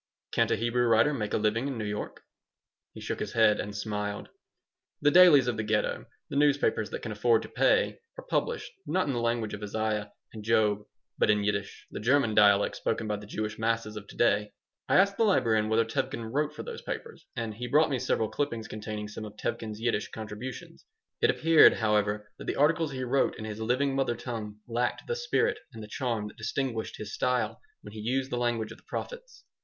"Can't a Hebrew writer make a living in New York?" He shook his head and smiled The dailies of the Ghetto, the newspapers that can afford to pay, are published, not in the language of Isaiah and Job, but in Yiddish, the German dialect spoken by the Jewish masses of to day. I asked the librarian whether Tevkin wrote for those papers, and he brought me several clippings containing some of Tevkin's Yiddish contributions. It appeared, however, that the articles he wrote in his living mother tongue lacked the spirit and the charm that distinguished his style when he used the language of the prophets.